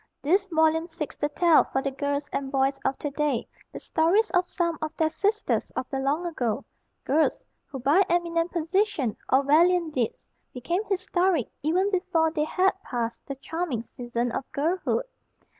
This volume seeks to tell for the girls and boys of to day the stories of some of their sisters of the long ago, girls who by eminent position or valiant deeds became historic even before they had passed the charming season of girlhood.